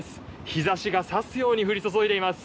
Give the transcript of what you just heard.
日ざしがさすように降り注いでいます。